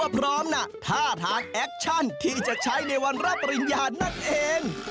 พร้อมนะท่าทางแอคชั่นที่จะใช้ในวันรับปริญญานั่นเอง